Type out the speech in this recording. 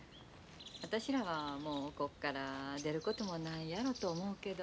私らはもうここから出ることもないやろと思うけど。